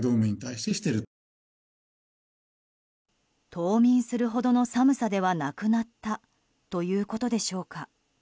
冬眠するほどの寒さではなくなったということでしょうか。